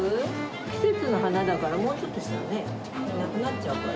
季節の花だからもうちょっとしたらね、なくなっちゃうから。